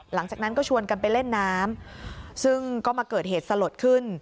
หลังจากนั้นก็ชวนกันไปเล่นน้ำซึ่งก็มาเกิดเหตุสลดขึ้น